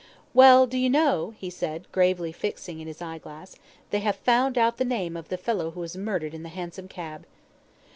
"Well, do you know," he said, gravely fixing in his eye glass, "they have found out the name of the fellow who was murdered in the hansom cab."